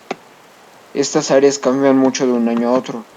Estas áreas cambian mucho de un año a otro.